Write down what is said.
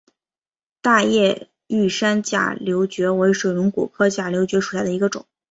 大叶玉山假瘤蕨为水龙骨科假瘤蕨属下的一个种。